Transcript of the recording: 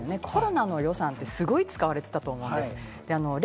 コロナの予算ってすごい使われていたと思うんです。